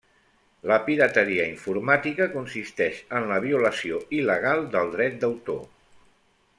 La pirateria informàtica consisteix en la violació il·legal del dret d'autor.